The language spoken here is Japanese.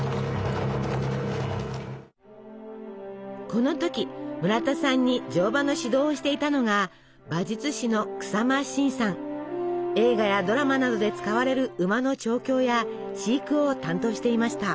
この時村田さんに乗馬の指導をしていたのが映画やドラマなどで使われる馬の調教や飼育を担当していました。